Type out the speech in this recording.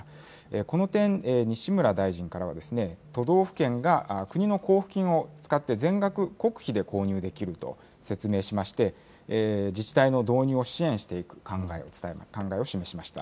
この点、西村大臣からは、都道府県が国の交付金を使って全額国費で購入できると説明しまして、自治体の導入を支援していく考えを示しました。